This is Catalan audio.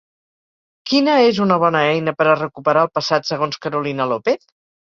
Quina és una bona eina per a recuperar el passat segons Carolina López?